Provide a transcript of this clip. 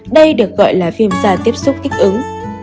đây được gọi là phim da tiếp xúc kích ứng